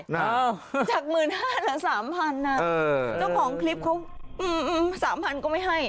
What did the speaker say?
จาก๑๕๐๐๐บาทหรือ๓๐๐๐บาทจ้าของคลิปเขา๓๐๐๐บาทก็ไม่ให้